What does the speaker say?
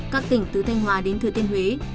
các tỉnh từ thanh hòa đến thừa tiên huế